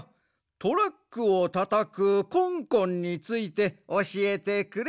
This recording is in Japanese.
トラックをたたくコンコンについておしえてくれ。